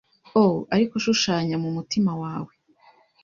Oh… Ariko shushanya mu mutima wawe;